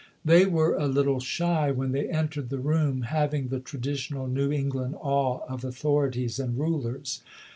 They were a little shy when they entered the room — having the traditional New England awe of authorities and rulers.